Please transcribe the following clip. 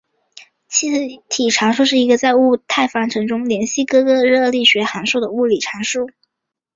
气体常数是一个在物态方程式中连系各个热力学函数的物理常数。